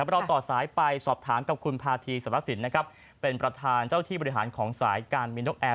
เราต่อสายไปสอบถามกับคุณพาธีสารสินนะครับเป็นประธานเจ้าที่บริหารของสายการบินนกแอร์